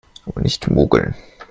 Aber nicht mogeln!